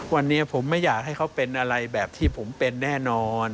วันนี้ผมไม่อยากให้เขาเป็นอะไรแบบที่ผมเป็นแน่นอน